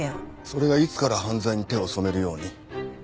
それがいつから犯罪に手を染めるように？